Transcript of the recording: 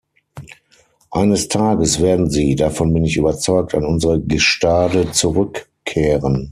Eines Tages werden sie, davon bin ich überzeugt, an unsere Gestade zurückkehren.